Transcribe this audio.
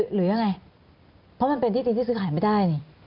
หรือยังไงเพราะมันเป็นที่จริงที่ซื้อขายไม่ได้นี่